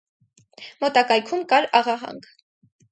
Մոտակայքում կար աղահանք։